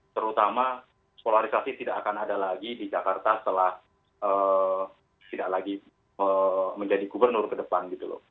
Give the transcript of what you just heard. terutama polarisasi tidak akan ada lagi di jakarta setelah tidak lagi menjadi gubernur ke depan gitu loh